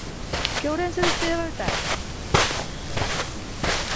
Que Ourense despide a Baltar?